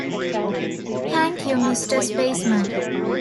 Thanks You Mister Spaceman.